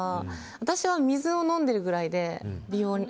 私は水を飲んでるくらいで美容に。